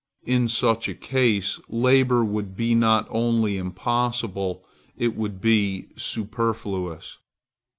In such a case, labor would be not only impossible, it would be superfluous.